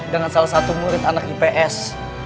dengan salah satu murid anak ips